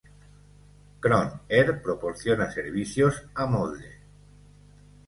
Krohn Air proporciona servicios a Molde.